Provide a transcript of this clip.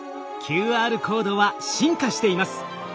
ＱＲコードは進化しています。